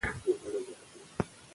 د ماشوم د ستوني وچوالی مه هېروئ.